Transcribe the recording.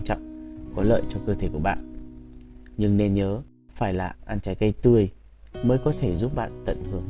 trọng có lợi cho cơ thể của bạn nhưng nên nhớ phải là ăn trái cây tươi mới có thể giúp bạn tận hưởng